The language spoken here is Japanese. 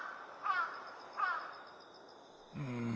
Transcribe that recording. うん。